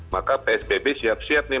maka psbb siap siap nih